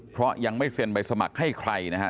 เพราะยังไม่เซ็นใบสมัครให้ใครนะครับ